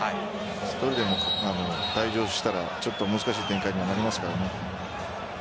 １人でも退場したら、ちょっと難しい展開になりますからね。